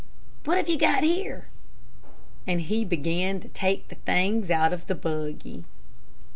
What have you got here?" and he began to take the things out of the buggy.